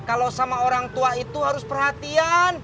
kalau sama orang tua itu harus perhatian